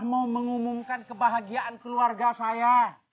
saya mah mau mengumumkan kebahagiaan keluarga saya